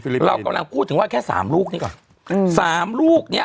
เรากำลังพูดถึงว่าแค่สามลูกนี้ก่อนอืมสามลูกเนี้ย